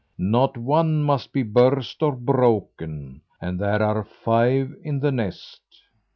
Not one must be burst or broken, and there are five in the nest."